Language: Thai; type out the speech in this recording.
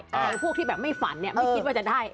อร่อยพวกที่แบบไม่ฝันไม่คิดว่าจะได้